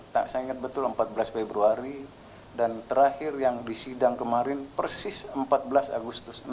tak saya ingat betul empat belas februari dan terakhir yang disidang kemarin persis empat belas agustus